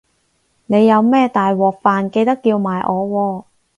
你有咩大鑊飯記得叫埋我喎